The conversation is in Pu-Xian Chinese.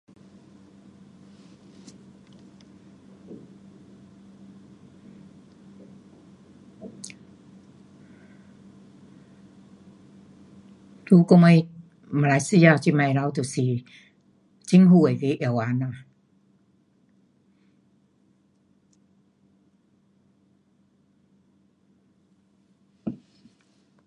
在我们马来西亚这边头就是政府那个药房咯。